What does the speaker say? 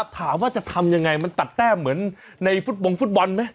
ถามว่าจะทำยังไงมันตัดแต้มเหมือนในฟุตบงฟุตบอลไหม